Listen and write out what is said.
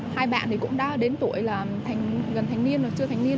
hai bạn thì cũng đã đến tuổi là gần thành niên là chưa thành niên